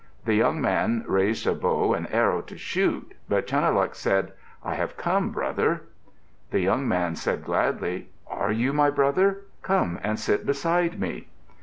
The young man raised a bow and arrow to shoot, but Chunuhluk said, "I have come, brother." The young man said gladly, "Are you my brother? Come and sit beside me."